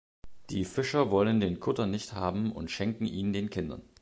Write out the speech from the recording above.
Die Fischer wollen den Kutter nicht haben und schenken ihn den Kindern.